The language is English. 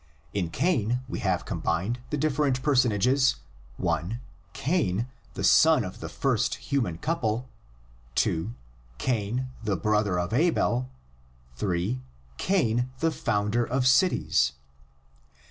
In Cain we have combined the different personages: (i) Cain, the son of the first human couple, (2) Cain, the brother of Abel, (3) Cain, the founder of cities.